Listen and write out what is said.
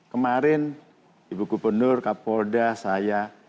kemarin ibu gubernur kapolda saya